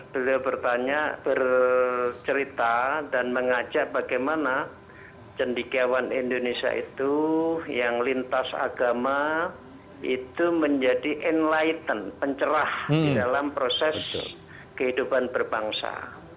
beliau bertanya bercerita dan mengajak bagaimana cendikiawan indonesia itu yang lintas agama itu menjadi enlighten pencerah di dalam proses kehidupan berbangsa